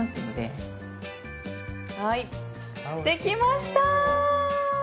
はいできました！